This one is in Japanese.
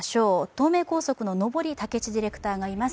東名高速上り、武智ディレクターがいます。